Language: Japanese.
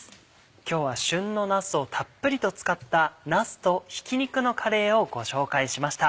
今日は旬のなすをたっぷりと使った「なすとひき肉のカレー」をご紹介しました。